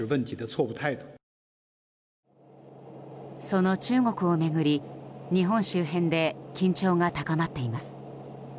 その中国を巡り、日本周辺で緊張が高まっています。